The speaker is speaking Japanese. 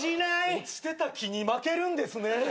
落ちてた木に負けるんですね。